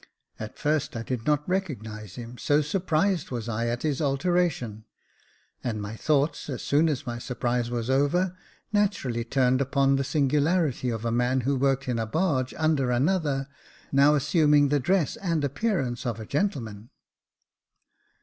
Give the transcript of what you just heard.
At first I did not recognise him, so surprised was I at his alteration ; and my thoughts, as soon as my sur prise was over, naturally turned upon the singularity of a man who worked in a barge under another, now assuming the dress and appearance of a gentleman.